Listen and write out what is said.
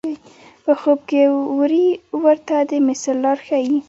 په خوب کې وری ورته د مصر لار ښیي.